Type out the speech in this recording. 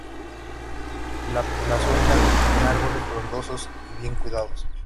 La plazuela tenía árboles frondosos y bien cuidados.